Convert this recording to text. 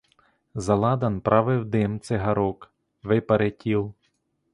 За ладан правив дим цигарок, випари тіл.